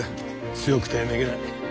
強くてめげない。